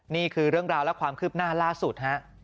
นี่คือเรื่องราวและความคืบหน้าล่าสุดฮะ